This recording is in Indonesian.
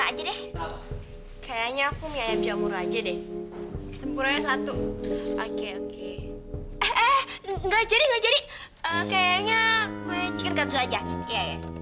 aja deh kayaknya aku punya jamur aja deh sempurna satu oke oke eh nggak jadi kayaknya